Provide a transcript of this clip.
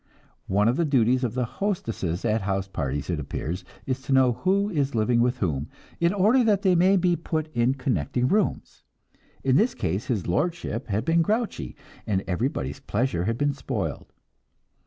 One of the duties of hostesses at house parties, it appears, is to know who is living with whom, in order that they may be put in connecting rooms. In this case his Lordship had been grouchy, and everybody's pleasure had been spoiled.